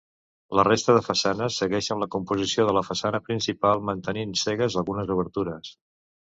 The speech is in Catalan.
La resta de façanes segueixen la composició de la façana principal mantenint cegues algunes obertures.